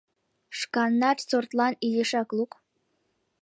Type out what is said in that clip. Шканнат сортлан изишак лук!